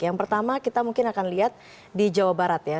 yang pertama kita mungkin akan lihat di jawa barat ya